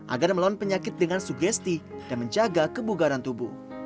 agar melawan penyakit dengan sugesti dan menjaga kebugaran tubuh